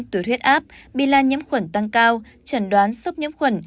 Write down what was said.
tuyết huyết áp bilan nhiễm khuẩn tăng cao trần đoán sốc nhiễm khuẩn